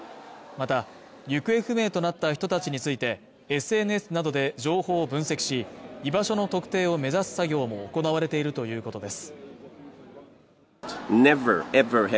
また行方不明となった人たちについてＳＮＳなどで情報を分析し居場所の特定を目指す作業も行われているということです